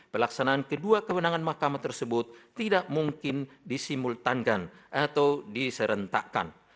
pelaksanaan kedua kewenangan mahkamah tersebut tidak mungkin disimultankan atau diserentakkan